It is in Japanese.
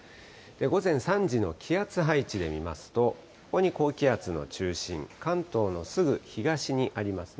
午前３時の気圧配置で見ますと、ここに高気圧の中心、関東のすぐ東にありますね。